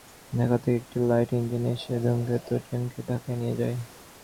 ঢাকা থেকে একটি light engine এসে ধূমকেতু ট্রেনকে ঢাকায় নিয়ে যায়।